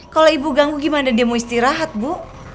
kalau ibu ganggu gimana dia mau istirahat bu